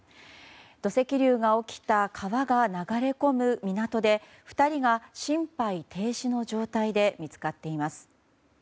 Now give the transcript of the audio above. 土石流が起きた川が流れ込む港で２人が心肺停止の状態で見つかっています。